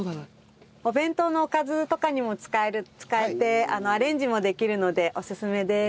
お弁当のおかずとかにも使えてアレンジもできるのでおすすめです。